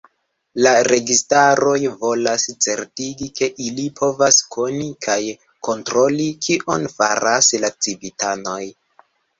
La registaroj volas certigi, ke ili povas koni kaj kontroli kion faras la civitanoj.